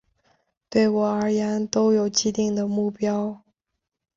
对我而言都有既定的目标